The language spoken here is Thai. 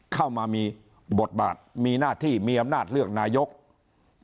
เข้ามามีบทบาทมีหน้าที่มีอำนาจเลือกนายก